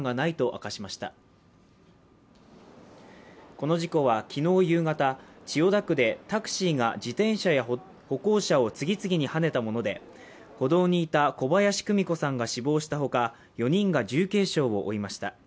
この事故は昨日夕方、千代田区でタクシーが自転車や歩行者を次々にはねたもので、歩道にいた小林久美子さんが死亡した他、４人が重軽傷を負いました。